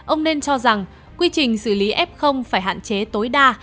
ông nên cho rằng quy trình xử lý f phải hạn chế tối đa